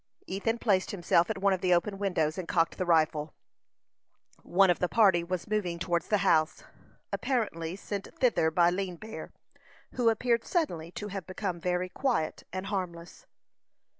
Ethan placed himself at one of the open windows, and cocked the rifle. One of the party was moving towards the house, apparently sent thither by Lean Bear, who appeared suddenly to have become very quiet and harmless.